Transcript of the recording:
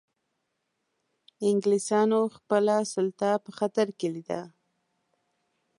انګلیسانو خپله سلطه په خطر کې لیده.